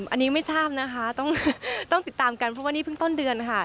อันนี้ไม่ทราบนะคะต้องติดตามกันเพราะว่านี่เพิ่งต้นเดือนค่ะ